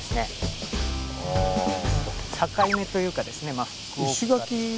境目というかですねまあ。